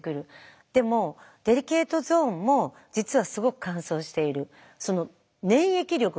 でもデリケートゾーンも実はすごく乾燥している。